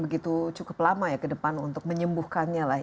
dan ini akan cukup lama ya ke depan untuk menyembuhkannya istilahnya